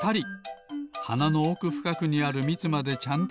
はなのおくふかくにあるみつまでちゃんととどきます。